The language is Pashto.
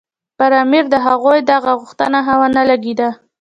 پر امیر د هغوی دا غوښتنه ښه ونه لګېده.